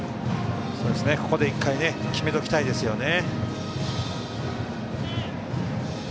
ここで１回決めておきたいですね。